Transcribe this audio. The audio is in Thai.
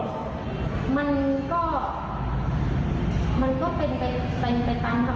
ตองสวยนะแล้วเขาก็บอกตองแก่แล้วไม่สวยหรอก